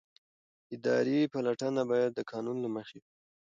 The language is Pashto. اداري پلټنه باید د قانون له مخې وي.